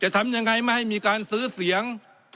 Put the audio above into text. ทำยังไงไม่ให้มีการซื้อเสียง